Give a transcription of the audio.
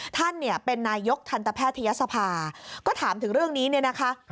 ท่านเนี่ยเป็นนายกทันตแพทยศภาก็ถามถึงเรื่องนี้เนี่ยนะคะ